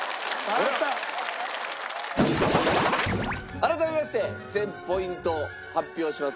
改めまして全ポイント発表します。